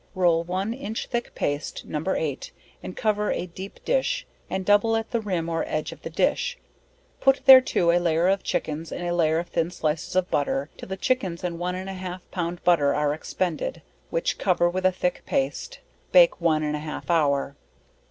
Roll one inch thick paste No. 8 and cover a deep dish, and double at the rim or edge of the dish, put thereto a layer of chickens and a layer of thin slices of butter, till the chickens and one and a half pound butter are expended, which cover with a thick paste; bake one and a half hour.